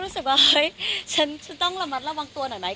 ก็รู้สึกว่าเฮ้ยฉันต้องระมัดระวังตัวหน่อยไหม